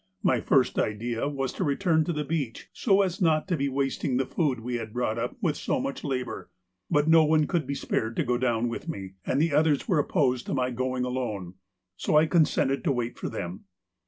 My first idea was to return to the beach so as not to be wasting the food we had brought up with so much labour, but no one could be spared to go down with me, and the others were opposed to my going alone, so I consented to wait for them.